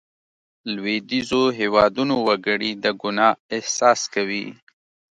لوېدیځو هېوادونو وګړي د ګناه احساس کوي.